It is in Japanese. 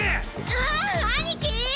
ああ兄貴！